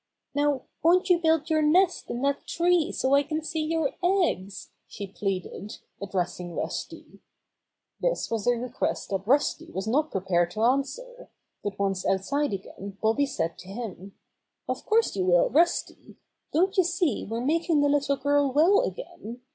"Now won't you build your nest in that tree so I can see your eggs?" she pleaded, address ing Rusty. Rusty Joins in the Feast 47 This was a request that Rusty was not pre pared to answer, but once outside again Bobby said to him: ^'Of course, you will. Rusty. Don't you see we're making the little girl well again?